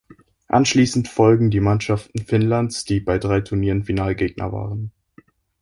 Anschließend folgen die Mannschaften Finnlands, die bei drei Turnieren Finalgegner waren.